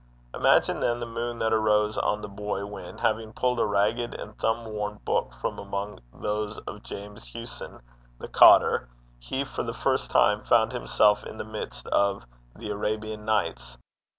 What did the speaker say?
Imagine, then, the moon that arose on the boy when, having pulled a ragged and thumb worn book from among those of James Hewson the cottar, he, for the first time, found himself in the midst of The Arabian Nights.